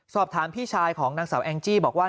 สอบถามพี่ชายของนางสาวแองจี้บอกว่า